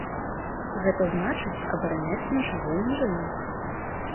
Гэта значыць абараняць наш агульны рынак.